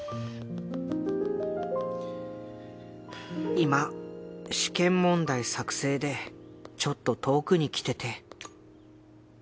「今試験問題作成でちょっと遠くに来てて」。